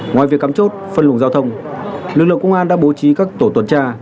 ngoài việc cắm chốt phân luồng giao thông lực lượng công an đã bố trí các tổ tuần tra